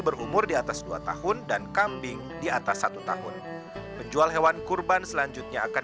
berumur di atas dua tahun dan kambing di atas satu tahun penjual hewan kurban selanjutnya akan